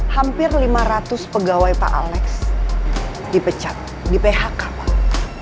hampir lima ratus pegawai pak alex dipecat di phk pak